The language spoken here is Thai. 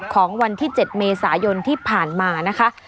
ของวันที่๗เมษายนที่ผ่านมานะคะ